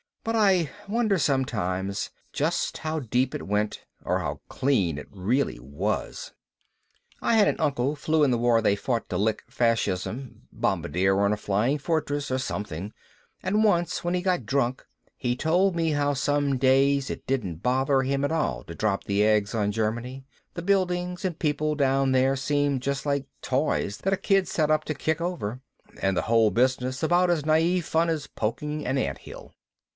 But I wonder sometimes just how deep it went or how clean it really was. "I had an uncle flew in the war they fought to lick fascism, bombardier on a Flying Fortress or something, and once when he got drunk he told me how some days it didn't bother him at all to drop the eggs on Germany; the buildings and people down there seemed just like toys that a kid sets up to kick over, and the whole business about as naive fun as poking an anthill.